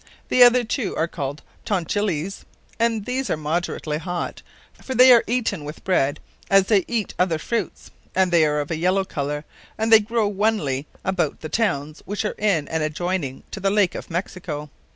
The other two are called Tonalchiles, and these are moderately hot; for they are eaten with bread, as they eate other fruits, & they are of a yellow colour; and they grow onely about the Townes, which are in, and adjoyning to the Lake of Mexico.